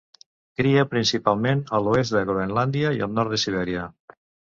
Cria principalment a l'oest de Groenlàndia i al nord de Sibèria.